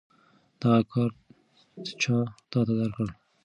دغه کارت چا تاته درکړ؟